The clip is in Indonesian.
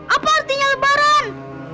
apa artinya lebaran